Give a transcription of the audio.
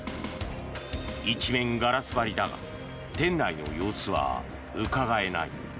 一面ガラス張りだが店内の様子はうかがえない。